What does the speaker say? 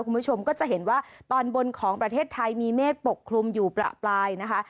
คุณผู้ชมก็จะเห็นว่าตอนบนของประเทศไทยมีเมฆปกคลุมอยู่ประปรายนะคะ